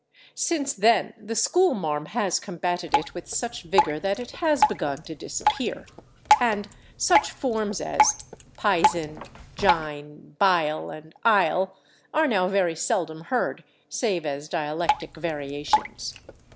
Since then the school marm has combatted it with such vigor that it has begun to disappear, and such forms as /pisen/, /jine/, /bile/ and /ile/ are now very seldom heard, save as dialectic variations.